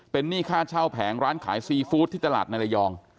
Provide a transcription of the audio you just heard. เป็นหนี้ค่าเช่าแผงร้านขายซีฟู้ดที่ตลาดในระยอง